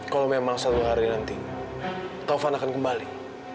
kalau memang satu hari nanti taufan akan kembali